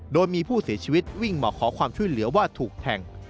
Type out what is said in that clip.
โดยมีผู้เสียชีวิตวิ่งมาขอความช่วยเหลือว่าถูกแทง